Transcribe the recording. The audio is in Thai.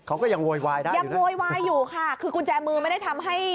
เขาก็ยังโวยวายได้อยู่นะค่ะคือกุญแจมือไม่ได้ทำให้